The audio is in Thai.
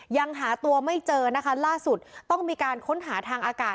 ยังหาตัวไม่เจอนะคะล่าสุดต้องมีการค้นหาทางอากาศ